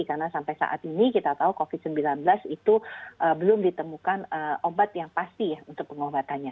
karena sampai saat ini kita tahu covid sembilan belas itu belum ditemukan obat yang pasti untuk pengobatannya